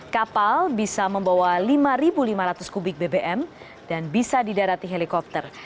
kapal bisa membawa lima lima ratus kubik bbm dan bisa didarati helikopter